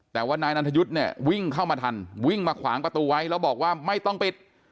แต่ว่านายนันทยุทธ์เนี่ยวิ่งเข้ามาทันวิ่งมาขวางประตูไว้แล้วบอกว่าไม่ต้องปิด